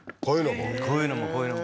こういうのもこういうのも？